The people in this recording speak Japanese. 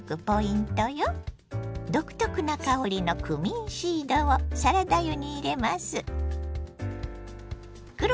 独特な香りのクミンシードをサラダ油に入れます。